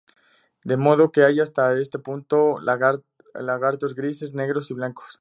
De modo que ya hay hasta este punto lagartos grises, negros y blancos.